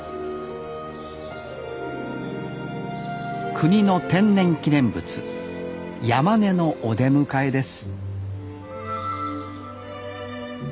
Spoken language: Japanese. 国の天然記念物ヤマネのお出迎えです